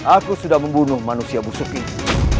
aku sudah membunuh manusia busuk ini